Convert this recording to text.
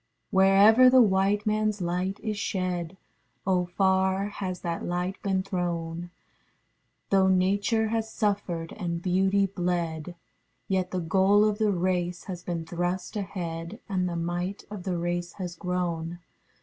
Wherever the white manâs light is shed, (Oh far has that light been thrown) Though Nature has suffered and beauty bled, Yet the goal of the race has been thrust ahead, And the might of the race has grown.